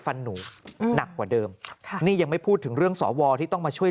หนูหนักกว่าเดิมค่ะนี่ยังไม่พูดถึงเรื่องสวที่ต้องมาช่วย